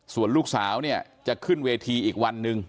ส่วนลูกสาวเนี่ยจะขึ้นเวทีอีกวันหนึ่ง